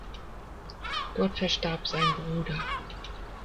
Dort verstarb sein Bruder.